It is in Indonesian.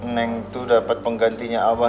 neng tuh dapet penggantinya abah